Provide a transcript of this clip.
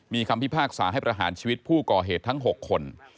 มีคำพิพากษาให้ประหารชีวิตผู้ก่อเหตุทั้ง๖คน